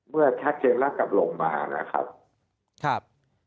เมื่อทักเจนทั้งกลับหลงมานะครับ